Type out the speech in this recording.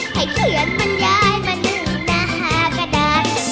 ให้เขียนบรรยายมาหนึ่งหน่าหากระดาษ